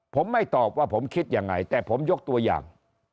ผมไม่ตอบว่าผมคิดยังไงแต่ผมยกตัวอย่าง